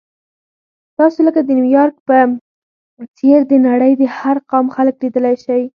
تاسو لکه د نیویارک په څېر د نړۍ د هر قوم خلک لیدلی شئ.